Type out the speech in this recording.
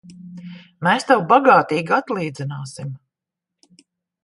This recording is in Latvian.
Mēs tev bagātīgi atlīdzināsim!